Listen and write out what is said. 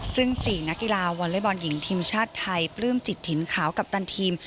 ซึ่ง๔นักกีฬาวอเล็กบอลหญิงทีมชาติไทยปลื้มจิตถิ่นขาวกัปตันทีม